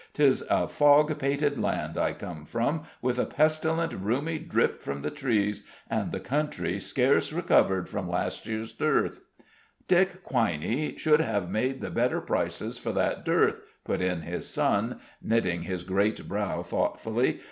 'Tis a fog pated land I come from, with a pestilent rheumy drip from the trees and the country scarce recovered from last year's dearth " "Dick Quiney should have made the better prices for that dearth," put in his son, knitting his great brow thoughtfully.